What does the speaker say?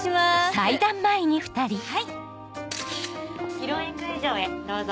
披露宴会場へどうぞ。